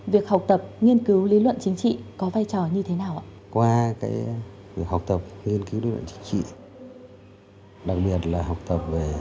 việc học tập nghiên cứu lý luận chính trị có vai trò như thế nào ạ